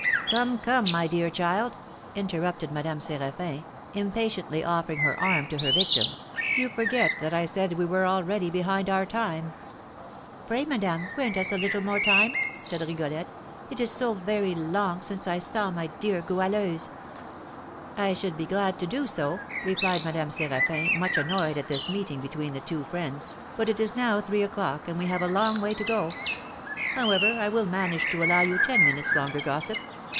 "Come, come, my dear child!" interrupted Madame Séraphin, impatiently offering her arm to her victim, "you forget that I said we were already behind our time." "Pray, madame, grant us a little more time," said Rigolette. "It is so very long since I saw my dear Goualeuse!" "I should be glad to do so," replied Madame Séraphin, much annoyed at this meeting between the two friends; "but it is now three o'clock, and we have a long way to go. However, I will manage to allow you ten minutes longer gossip.